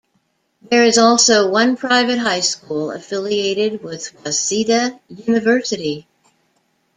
There is also one private high school, affiliated with Waseda University.